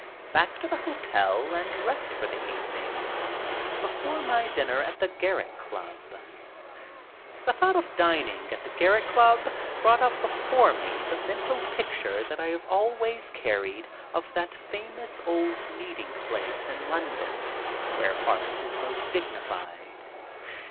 Back to the hotel and rest for the evening before my dinner at the Garrick Club. The thought of dining at the Garrick Club brought up before me the mental picture that I have always carried of that famous old meeting place in London, where art is most dignified.